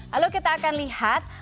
lalu kita akan lihat